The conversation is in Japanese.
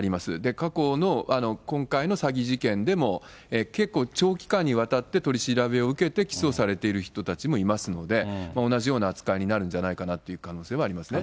過去の今回の詐欺事件でも、結構長期間にわたって取り調べを受けて、起訴されている人たちもいますので、同じような扱いになるんじゃないかなという可能性はありますね。